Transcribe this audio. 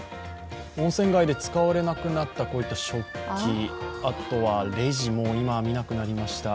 温泉街で使われなくなったこういった食器、あとはレジも今、見なくなりました。